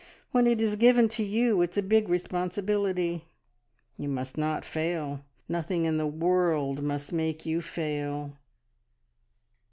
When it is given to you it's a big responsibility. You must not fail; nothing in the world must make you fail!"